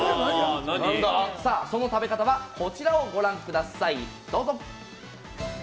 その食べ方はこちらをご覧ください。